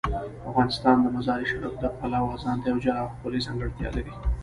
افغانستان د مزارشریف د پلوه ځانته یوه جلا او ښکلې ځانګړتیا لري.